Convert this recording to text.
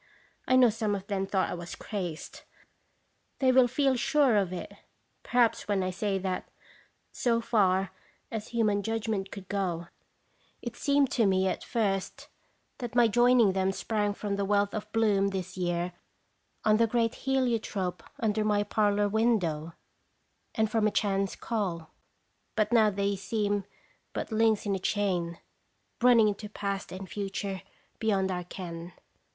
I know some of them thought I was crazed; they will feel ttje EJeafc Eleabr' 285 sure of it, perhaps, when I say that, so far as human judgment could go, it seemed to me at first that my joining them sprang from the wealth of bloom this year on the great helio trope under my parlor window, and from a chance call ; but now these seem but links in a chain, running into past and future beyond our ken.